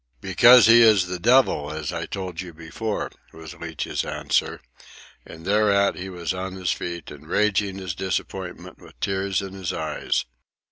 "Because he is the devil, as I told you before," was Leach's answer; and thereat he was on his feet and raging his disappointment with tears in his eyes.